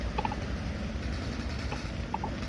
更多相关的性质及证明在。